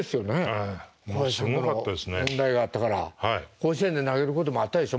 甲子園で投げることもあったでしょ？